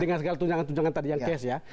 dengan segala tunjangan tunjangan tadi yang cash ya